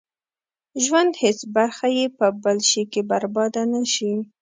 ژوند هېڅ برخه يې په بل شي کې برباده نه شي.